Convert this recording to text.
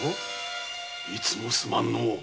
いつもすまぬのう。